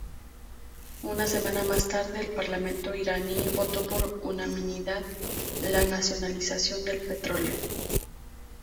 Una semana más tarde, el parlamento iraní votó por unanimidad la nacionalización del petróleo.